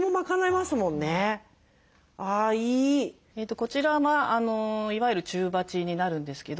こちらはいわゆる中鉢になるんですけど。